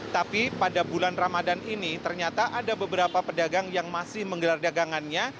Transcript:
tapi pada bulan ramadan ini ternyata ada beberapa pedagang yang masih menggelar dagangannya